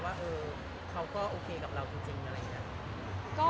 ว่าเขาก็โอเคกับเราจริง